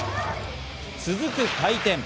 続く回転。